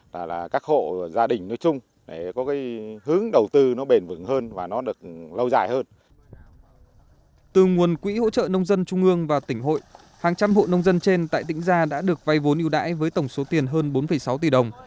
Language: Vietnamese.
từ nguồn quỹ hỗ trợ nông dân trung ương và tỉnh hội hàng trăm hộ nông dân trên tại tĩnh gia đã được vay vốn ưu đãi với tổng số tiền hơn bốn sáu tỷ đồng